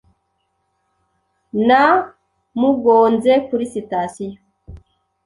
Namugonze kuri sitasiyo.